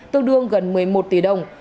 tương đương gần một mươi một tỷ đồng